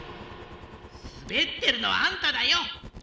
すべってるのはあんただよ！